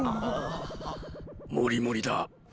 もりもりだ。